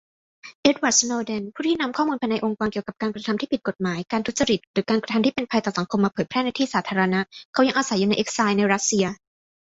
เอ็ดวาร์ด สโนเดน ผู้ที่นำข้อมูลภายในองค์กรเกี่ยวกับกระทำที่ผิดกฏหมาย การทุจริต หรือการกระทำที่เป็นภัยต่อสังคมมาเผยแพร่ในที่สาธารณ เขายังอาศัยอยู่ในเอ็กไซล์ในรัสเซีย